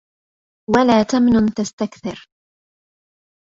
وَلا تَمْنُن تَسْتَكْثِرُ